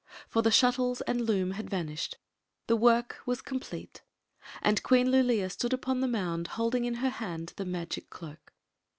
For the shuttles and loom had vanished ; the worK was complete; and Queen Lulea stood upon the mound holding in her hand the magic cloak.